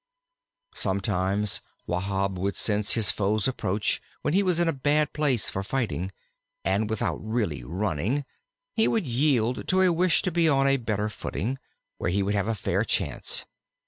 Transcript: Sometimes Wahb would sense his foe's approach when he was in a bad place for fighting, and, without really running, he would yield to a wish to be on a better footing, where he would have a fair chance.